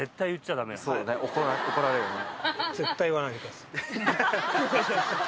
そうだね怒られるね。